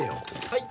はい！